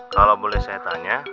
kalau boleh saya tanya